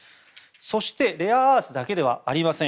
そしてレアアースだけではありません。